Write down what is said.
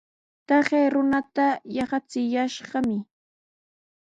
Taqay runata yaqachiyashqami.